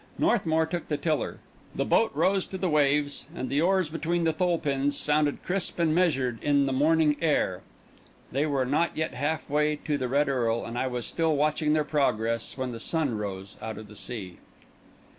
Northmour took the tiller; the boat rose to the waves, and the oars between the thole pins sounded crisp and measured in the morning air. They were not yet half way to the Red Earl, and I was still watching their progress, when the sun rose out of the sea.